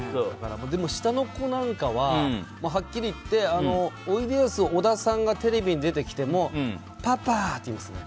でも、下の子なんかははっきり言っておいでやす小田さんがテレビに出てきてもパパ！って言うんですね。